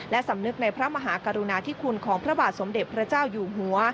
และสำนึกในพระมหากรุณาธิคุณของพระบาทสมเด็จพระเจ้าอยู่หัว